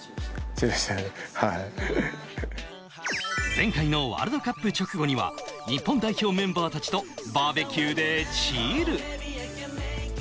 前回のワールドカップ直後には日本代表メンバーたちとバーベキューでチル。